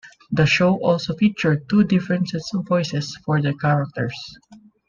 The show also featured two different sets of voices for the characters.